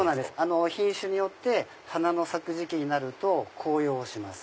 品種によって花の咲く時期になると紅葉します。